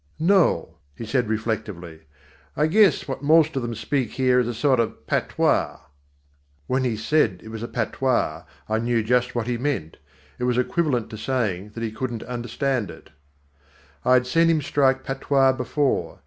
"No," he said reflectively, "I guess what most of them speak here is a sort of patois." When he said it was a patois, I knew just what he meant. It was equivalent to saying that he couldn't understand it. I had seen him strike patois before.